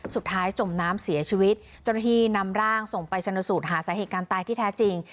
สุดท้ายจมน้ำเสียชีวิตจนทีนำร่างส่งไปชนสูตรหาสาเหกการตายที่แท้จริง